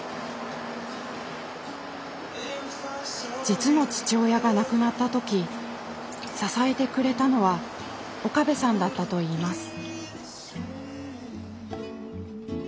実の父親が亡くなった時支えてくれたのは岡部さんだったといいます。